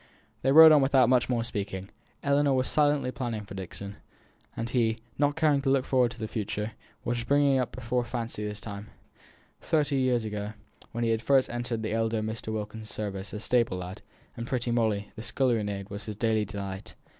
They rode on without much more speaking. Ellinor was silently planning for Dixon, and he, not caring to look forward to the future, was bringing up before his fancy the time, thirty years ago, when he had first entered the elder Mr. Wilkins's service as stable lad, and pretty Molly, the scullery maid, was his daily delight.